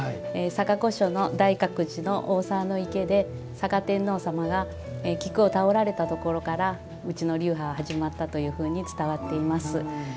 嵯峨御所の大沢池で嵯峨天皇さまが菊を手折られたところからうちの流派は始まったというふうに伝わっています。